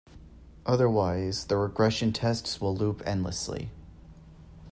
Otherwise the regression tests will loop endlessly.